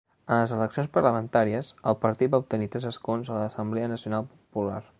En les eleccions parlamentàries, el partit va obtenir tres escons a l'Assemblea Nacional Popular.